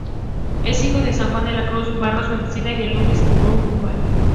Es hijo de Juan de la Cruz Barros Fuenzalida y de Ludmila Errázuriz Ovalle.